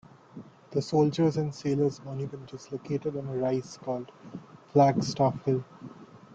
The Soldiers and Sailors Monument is located on a rise called Flag Staff Hill.